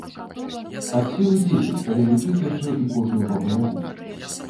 Ад сілы дзесяць, калі лічыць яшчэ і кожную бабу-ягу.